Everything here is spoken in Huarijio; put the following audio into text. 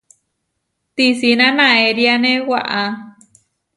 Tisína naériane waʼá.